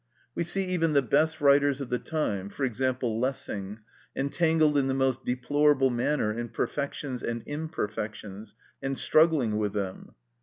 We see even the best writers of the time, for example Lessing, entangled in the most deplorable manner in perfections and imperfections, and struggling with them.